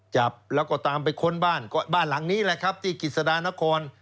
จับแล้วก็ตามไปค้นบ้านก็บ้านหลังนี้แหละครับที่กิจสดานคร